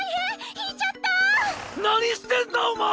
ひいちゃった何してんだお前！